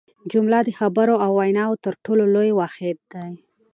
جمله د خبرو او ویناوو تر ټولو لوی واحد دئ.